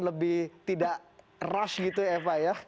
lebih tidak rush gitu eva ya